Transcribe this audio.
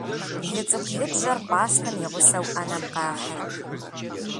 Лыцӏыкӏу лыбжьэр пӏастэм и гъусэу ӏэнэм къахьыр.